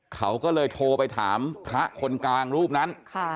เขาก็เลยโทรไปถามพระคนกลางรูปนั้น